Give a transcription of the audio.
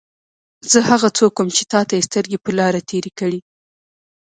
زه هغه څوک وم چې تا ته یې سترګې په لار تېرې کړې.